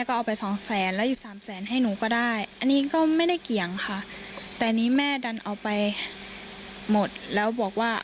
ก็จะไปใช้เงินที่แม่เอาไปค่ะ